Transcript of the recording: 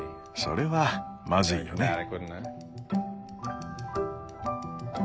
それはまずいよね。